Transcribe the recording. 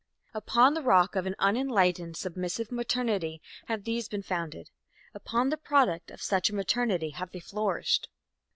Upon the rock of an unenlightened, submissive maternity have these been founded; upon the product of such a maternity have they flourished.